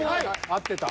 合ってた。